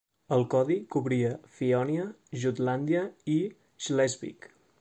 El codi cobria Fiònia, Jutlàndia i Schleswig.